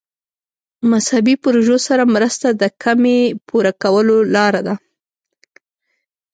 مذهبي پروژو سره مرسته د کمۍ پوره کولو لاره ده.